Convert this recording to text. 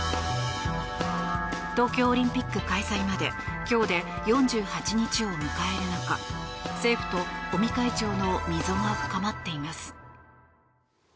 東京オリンピック開催まで今日で４８日を迎える中政府と尾身会長の溝が深まっています。